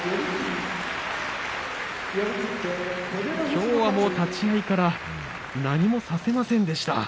きょうは立ち合いから何もさせませんでした。